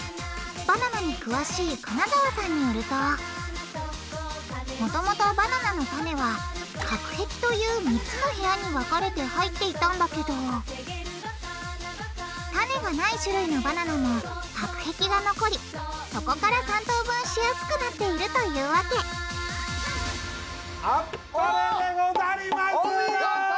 バナナに詳しい金澤さんによるともともとバナナの種は隔壁という３つの部屋に分かれて入っていたんだけど種がない種類のバナナも隔壁が残りそこから３等分しやすくなっているというわけお見事！